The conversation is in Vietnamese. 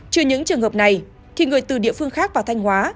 trừ những trường hợp này thì người từ địa phương khác vào thanh hóa